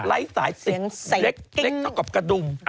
ไร้สายเล็กเท่ากับกระดุม